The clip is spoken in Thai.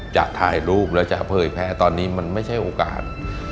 จะถ่ายรูปแล้วจะเผยแพร่ตอนนี้มันไม่ใช่โอกาส